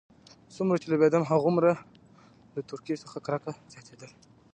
څومره چې لوېيدم هماغومره مې له تورکي څخه کرکه زياتېدله.